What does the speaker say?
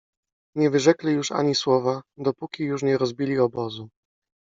Nie wyrzekli już ani słowa, dopóki już nie rozbili obozu.